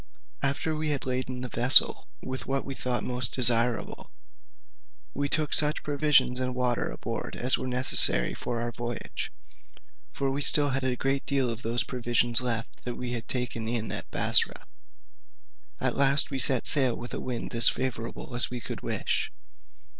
After we had laden the vessel with what we thought most desirable, we took such provisions and water aboard as were necessary for our voyage (for we had still a great deal of those provisions left that we had taken in at Bussorah); at last we set sail with a wind as favourable as we could wish.